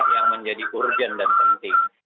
yang menjadi urgent dan penting